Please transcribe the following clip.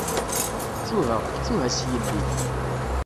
Ttuha, ttuha s yelli.